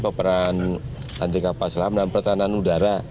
peperan anti kapal selam dan pertahanan udara